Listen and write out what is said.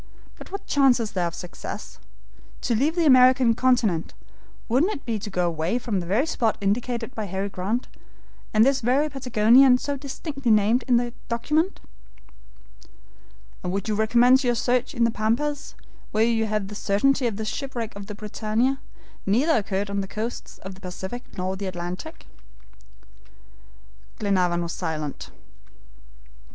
But what chance is there of success? To leave the American continent, wouldn't it be to go away from the very spot indicated by Harry Grant, from this very Patagonia so distinctly named in the document." "And would you recommence your search in the Pampas, when you have the certainty that the shipwreck of the BRITANNIA neither occurred on the coasts of the Pacific nor the Atlantic?" Glenarvan was silent.